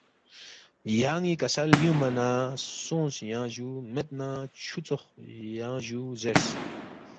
”یان٘ی کسل بیُونگما نہ سونگس ینگ جُو، مید نہ چُھو ژوخ ینگ جُو“ زیرس